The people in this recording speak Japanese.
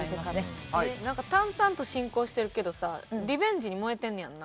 なんか淡々と進行してるけどさリベンジに燃えてんねやんな？